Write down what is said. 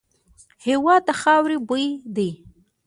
هېواد د خاوري بوی دی.